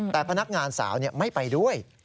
แต่พนักงานสาวไม่ไปด้วย